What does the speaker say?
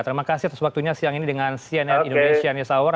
terima kasih atas waktunya siang ini dengan cnn indonesia news hour